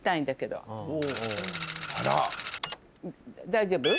大丈夫？